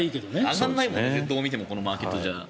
上がらないもんどう見てもこのマーケットじゃ。